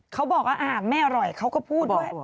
เขาบอกว่าไม่อร่อยเขาก็พูดด้วย